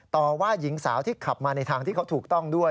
ต่อว่าหญิงสาวที่ขับมาในทางที่เขาถูกต้องด้วย